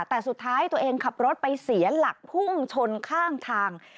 แต่สุดท้ายตัวเองขับรถไปเสียหลักพุ่งชนข้างทาง